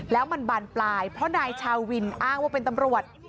แล้วมันบานปลายเพราะนายชาววินอ้างว่าเป็นตำรวจ